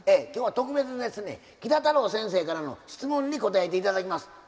今日は特別ですねキダ・タロー先生からの質問に答えて頂きます。